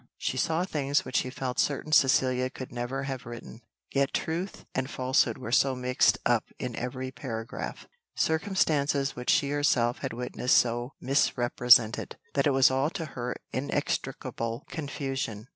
She saw things which she felt certain Cecilia could never have written; yet truth and falsehood were so mixed up in every paragraph, circumstances which she herself had witnessed so misrepresented, that it was all to her inextricable confusion.